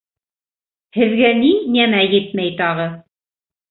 Һеҙгә ни нәмә етмәй тағы?